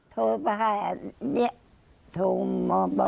โทรมาให้อันนี้โทรมาบอก